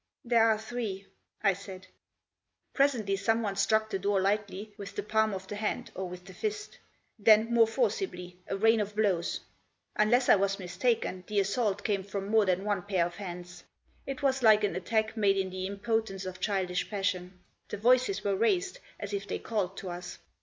" There are three," I said. Presently someone struck the door lightly, with the palm of the hand, or with the fist. Then, more forcibly, a rain of blows. Unless I was mistaken, the assault came from more than one pair of hands ; it was like an attack made in the impotence of childish passion. The voices were raised, as if they called to us.